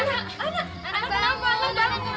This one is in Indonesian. malik malik malik